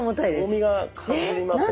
重みが変わりますね。